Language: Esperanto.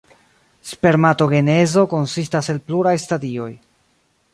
Spermatogenezo konsistas el pluraj stadioj.